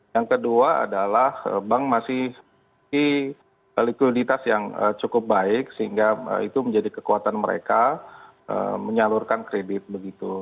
yang kedua adalah bank masih memiliki likuiditas yang cukup baik sehingga itu menjadi kekuatan mereka menyalurkan kredit begitu